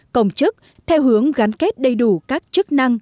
công chức theo hướng gắn kết đầy đủ các chức năng